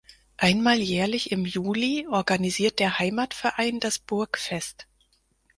Einmal jährlich im Juli organisiert der Heimatverein das Burgfest.